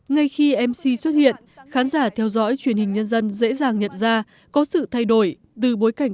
ngay khi mc xuất hiện khán giả theo dõi truyền hình nhân dân dễ dàng nhận ra có sự thay đổi từ bối cảnh